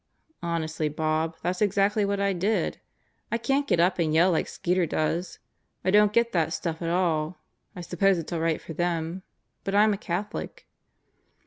"Honestly, Bob. That's exactly what I did. I can't get up and yell like Skeeter does. I don't get that stuff at all. I suppose it's all right for them; but I'm a Catholic."